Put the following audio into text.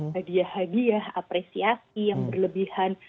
hadiah hadiah apresiasi yang berlebihan